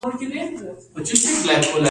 د مرغانو غږونه طبیعت ژوندی کوي